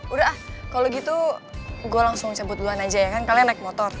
udah ah kalau gitu gue langsung sebut duluan aja ya kan kalian naik motor